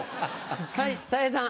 はいたい平さん。